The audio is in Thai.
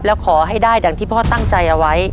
แล้วขอให้ได้ดังที่พ่อตั้งใจเอาไว้